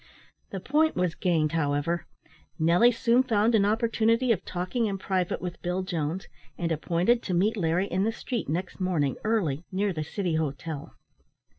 The point was gained, however; Nelly soon found an opportunity of talking in private with Bill Jones, and appointed to meet Larry in the street next morning early, near the City Hotel.